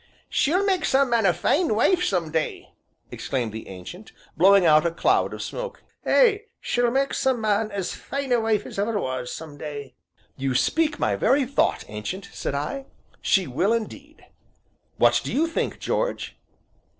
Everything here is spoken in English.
"She'll make some man a fine wife, some day!" exclaimed the Ancient, blowing out a cloud of smoke, "ay, she'll mak' some man as fine a wife as ever was, some day." "You speak my very thought, Ancient," said I, "she will indeed; what do you think, George?"